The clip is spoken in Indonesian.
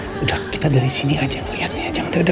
jess hey udah kita dari sini aja liatnya ya jangan deket